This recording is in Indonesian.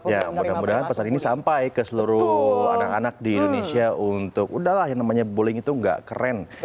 ya mudah mudahan pesan ini sampai ke seluruh anak anak di indonesia untuk udahlah yang namanya bullying itu gak keren